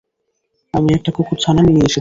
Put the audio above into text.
আমি একটা কুকুরছানা নিয়ে এসেছি!